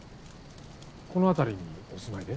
この辺りにお住まいで？